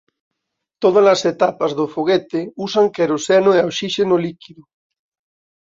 Tódalas etapas do foguete usan queroseno e oxíxeno líquido.